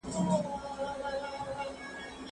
زه زده کړه کړي دي